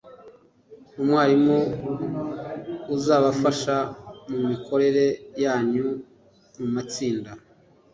umwarimu uzabafasha mu mikorere yanyu mu matsinda